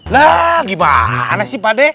lah gimana sih pak de